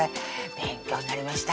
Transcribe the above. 勉強になりました